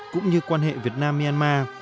cũng như quan hệ việt nam myanmar